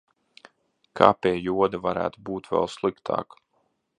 Kā, pie joda, varētu būt vēl sliktāk?